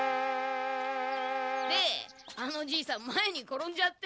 であのじいさん前に転んじゃって。